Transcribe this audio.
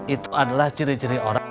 itu adalah ciri ciri orang